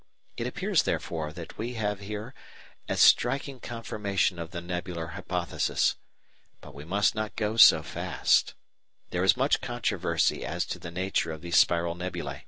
It appears, therefore, that we have here a striking confirmation of the nebular hypothesis. But we must not go so fast. There is much controversy as to the nature of these spiral nebulæ.